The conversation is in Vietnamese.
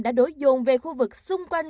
đã đối dồn về khu vực xung quanh